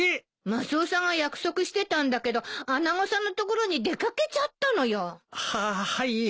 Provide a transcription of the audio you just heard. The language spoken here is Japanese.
マスオさんが約束してたんだけど穴子さんのところに出掛けちゃったのよ。ははい。